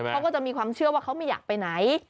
เขาก็จะมีความเชื่อว่าเขาไม่อยากไปไหน